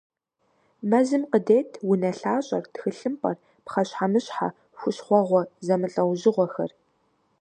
Мэзым къыдет унэлъащӀэр, тхылъымпӀэр, пхъэщхьэмыщхьэ, хущхъуэгъуэ зэмылӀэужьыгъуэхэр.